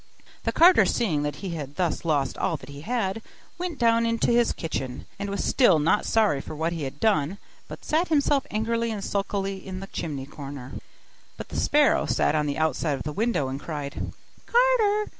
The carter seeing that he had thus lost all that he had, went down into his kitchen; and was still not sorry for what he had done, but sat himself angrily and sulkily in the chimney corner. But the sparrow sat on the outside of the window, and cried 'Carter!